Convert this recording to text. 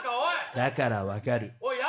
だから分かる。